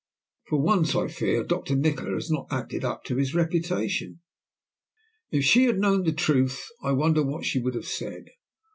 For once I fear Doctor Nikola has not acted up to his reputation." If she had known the truth, I wonder what she would have said?